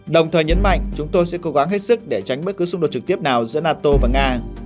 đồng thời nhấn mạnh chúng tôi sẽ cố gắng hết sức để tránh bất cứ xung đột trực tiếp nào giữa nato và nga